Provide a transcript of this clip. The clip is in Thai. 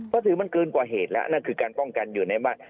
ก็ถือมันเกินกว่าเหตุแล้วนั่นคือการป้องกันอยู่ในบ้าน